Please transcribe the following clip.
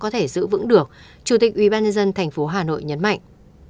để giữ vững được chủ tịch ubnd tp hà nội nhấn mạnh